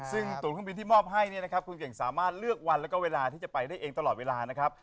ซึ่งตัวเครื่องบินที่มอบให้เนี่ยนะครับคุณเก่งสามารถเลือกวันแล้วก็เวลาที่จะไปได้เองตลอดเวลานะครับ